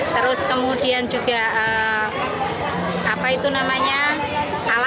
terus kemudian juga alatnya